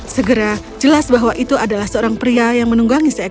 segera jelas bahwa itu adalah seorang pria yang menunggangi seekor